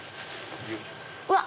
うわっ！